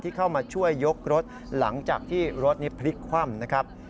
เข้ามาช่วยยกรถหลังจากที่รถนี้พลิกคว่ำนะครับ